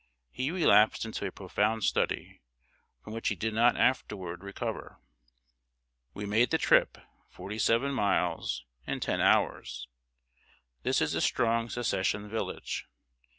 he relapsed into a profound study, from which he did not afterward recover. We made the trip forty seven miles in ten hours. This is a strong Secession village.